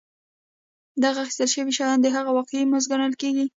دغه اخیستل شوي شیان د هغوی واقعي مزد ګڼل کېږي